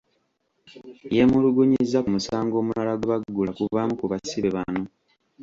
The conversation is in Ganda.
Yeemulugunyizza ku musango omulala gwe baggula ku bamu ku basibe bano.